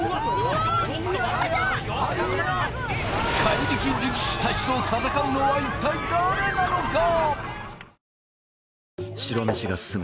怪力力士達と戦うのは一体誰なのか？